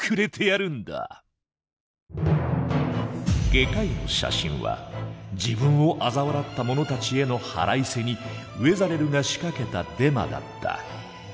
「外科医の写真」は自分をあざ笑った者たちへの腹いせにウェザレルが仕掛けたデマだった。